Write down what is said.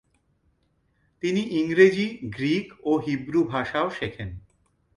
তিনি ইংরেজি, গ্রিক ও হিব্রু ভাষাও শেখেন।